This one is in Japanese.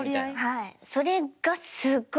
はい。